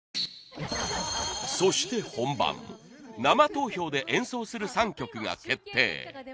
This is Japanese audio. そして本番生投票で演奏する３曲が決定。